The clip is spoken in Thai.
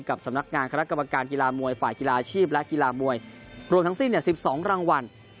สำนักงานคณะกรรมการกีฬามวยฝ่ายกีฬาอาชีพและกีฬามวยรวมทั้งสิ้น๑๒รางวัล